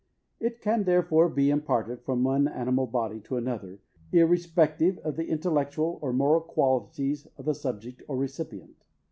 It can therefore be imparted from one animal body to another, irrespective of the intellectual or moral qualities of the subject or recipient.